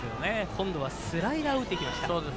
今度はスライダーを打ってきました。